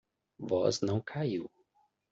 Voz não caiu